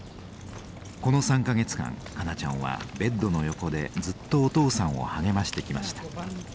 この３か月間香菜ちゃんはベッドの横でずっとお父さんを励ましてきました。